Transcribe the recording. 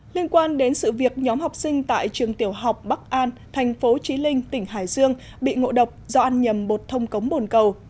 liên quan đến sự việc nhóm học sinh tại trường tiểu học bắc an thành phố trí linh tỉnh hải dương bị ngộ độc do ăn nhầm bột thông cống bồn cầu